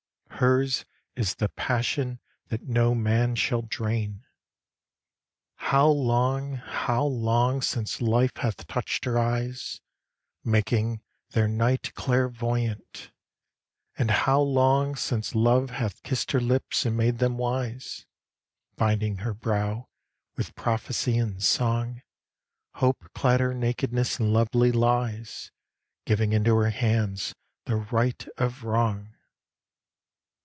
Hers is the passion that no man shall drain. How long, how long since Life hath touched her eyes, Making their night clairvoyant! And how long Since Love hath kissed her lips and made them wise, Binding her brow with prophecy and song! Hope clad her nakedness in lovely lies, Giving into her hands the right of wrong!